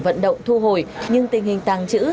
vận động thu hồi nhưng tình hình tàng trữ